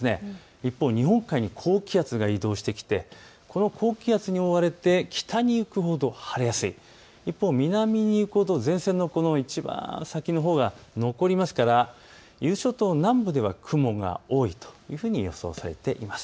一方、日本海付近に高気圧が移動してきてこの高気圧に覆われて北に行くほど晴れやすい南に行くほど前線のいちばん先のほうが残りますから伊豆諸島南部では雲が多いというふうに予想されています。